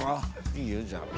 いいよじゃあ。